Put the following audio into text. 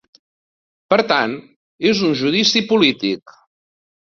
Per tant, és un judici polític.